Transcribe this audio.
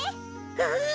うん。